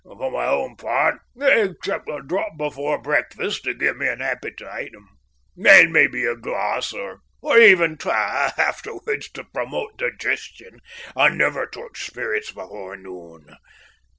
For my own part, except a drop before breakfast to give me an appetite, and maybe a glass, or even twa, afterwards to promote digestion, I never touch spirits before noon.